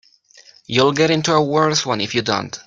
You'll get into a worse one if you don't.